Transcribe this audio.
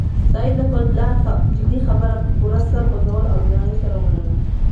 سعید د خپل پلار جدي خبره په پوره سر خوځولو او درناوي سره ومنله.